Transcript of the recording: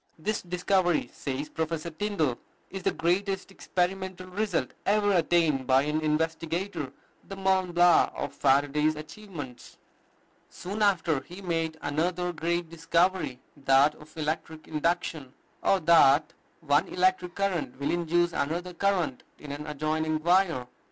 This discovery, says Professor Tyndall, "is the greatest experimental result ever attained by an investigator, the Mont Blanc of Faraday's achievements." Soon after he made another great discovery, that of electric induction, or that one electric current will induce another current in an adjoining wire.